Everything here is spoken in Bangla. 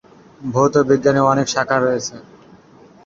ভৌত বিজ্ঞানের অনেক শাখা রয়েছে।